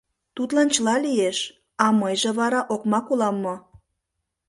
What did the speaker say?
Тудлан чыла лиеш, а мыйже вара окмак улам мо?